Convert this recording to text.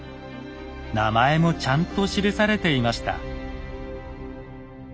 名前もちゃんと記されていました。